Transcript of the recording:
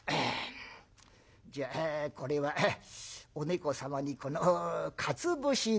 「じゃあこれはお猫様にこのかつ節代」。